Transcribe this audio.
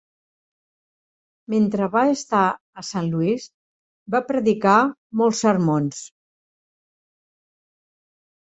Mentre va estar a Sant Louis va predicar molts sermons.